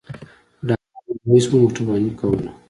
ډاکټر میرویس مو موټرواني کوله.